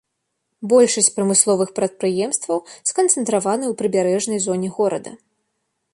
Большасць прамысловых прадпрыемстваў сканцэнтраваны ў прыбярэжнай зоне горада.